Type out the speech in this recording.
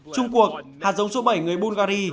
trung cuộc hạt giống số bảy người bulgari